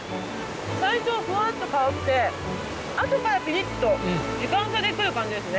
最初ふわっと香って後からピリッと時間差で来る感じですね。